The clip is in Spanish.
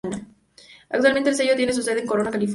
Actualmente, el sello tiene su sede en Corona, California.